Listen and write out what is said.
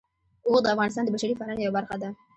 اوښ د افغانستان د بشري فرهنګ یوه برخه ده.